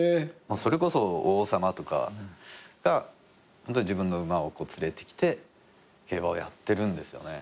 それこそ王様とかが自分の馬を連れてきて競馬をやってるんですよね。